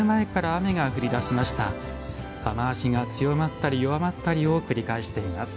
雨足が強まったり弱まったりを繰り返しています。